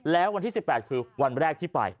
แล้ววันที่๑๘คือวันแรกที่ไป